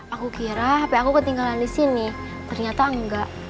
aku kira hp aku ketinggalan di sini ternyata enggak